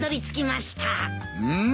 うん。